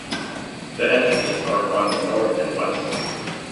The entrances are on the north and west.